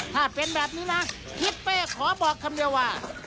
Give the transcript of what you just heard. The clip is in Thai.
ถ้าเป็นแบบนี้นะคิดไปขอบอกคำเยาว่า